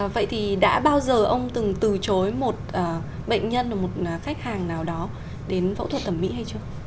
vậy thì đã bao giờ ông từng từ chối một bệnh nhân và một khách hàng nào đó đến phẫu thuật thẩm mỹ hay chưa